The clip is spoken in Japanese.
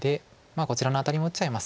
こちらのアタリも打っちゃいますか。